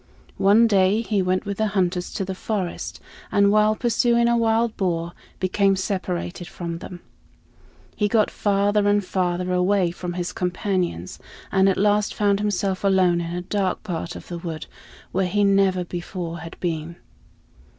One day he went with the hunters to the forest, and while pursuing a wild boar, became separated from them. He got farther and farther away from his companions, and at last found himself alone in a dark part of the wood where he never before had been.